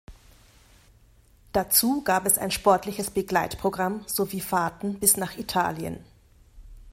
Dazu gab es ein sportliches Begleitprogramm sowie Fahrten bis nach Italien.